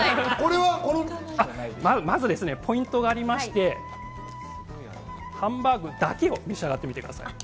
まずポイントがありまして、ハンバーグだけを召し上がってみてください。